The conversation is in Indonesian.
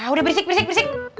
udah berisik berisik berisik